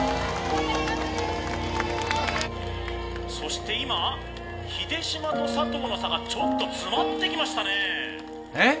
そして今秀島と佐藤の差がちょっと詰まってきましたねえっ？